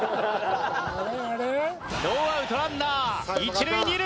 ノーアウトランナー一塁二塁。